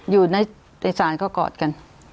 อยู่ในศาลก็กอดกัน